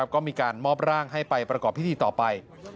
ก็มีการมอบร่างให้ไปประกอบพิธีต่อไป